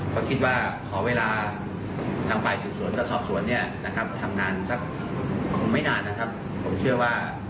ผมเชื่อว่าน่าจะขี้คายคันดีได้เร็ว